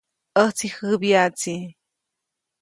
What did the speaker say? ʼÄjtsi jäbyaʼtsi.